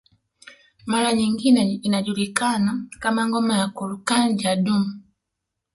Mara nyingine inajulikana kama ngoma ya kurukan Jadumu